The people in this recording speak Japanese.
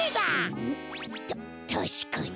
たたしかに。